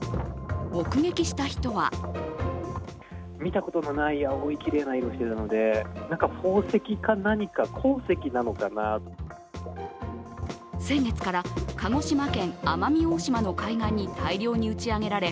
目撃した人は先月から鹿児島県奄美大島の海岸に大量に打ち上げられ、